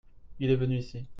Il est venu ici.